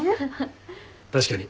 確かに。